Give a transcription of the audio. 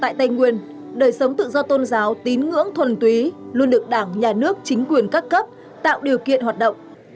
tại tây nguyên đời sống tự do tôn giáo tín ngưỡng thuần túy luôn được đảng nhà nước chính quyền các cấp tạo điều kiện hoạt động